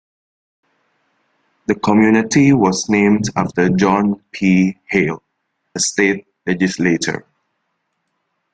The community was named after John P. Hale, a state legislator.